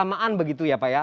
keamaan begitu ya pak ya